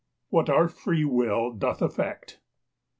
What our Free will doth effect.